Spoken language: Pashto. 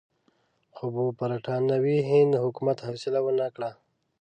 خو برټانوي هند حکومت حوصله ونه کړه.